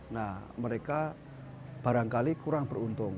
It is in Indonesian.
nah mereka barangkali kurang beruntung